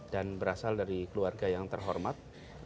dan berasal dari keluarga yang terhormat